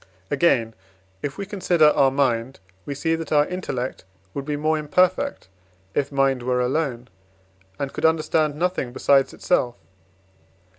Again, if we consider our mind, we see that our intellect would be more imperfect, if mind were alone, and could understand nothing besides itself.